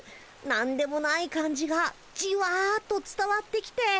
なんでもない感じがじわっとつたわってきて。